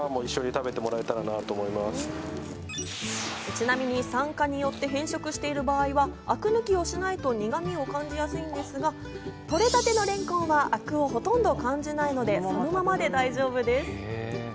ちなみに酸化によって変色している場合はアク抜きをしないと苦味を感じやすいですが、取れたてのれんこんはアクをほとんど感じないので、そのままで大丈夫です。